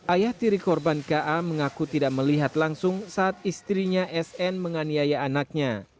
ayah tiri korban ka mengaku tidak melihat langsung saat istrinya sn menganiaya anaknya